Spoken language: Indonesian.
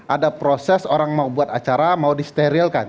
ada proses orang mau buat acara mau disterilkan